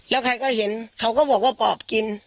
แล้วใครก็เห็นเขาก็บอกว่าปอบกิน